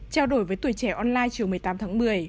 trao đổi với tuổi trẻ online chiều một mươi tám tháng một mươi